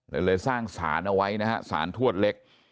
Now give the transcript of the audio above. เลยสร้างศาลเอาไว้นะฮะศาลทวดเล็ก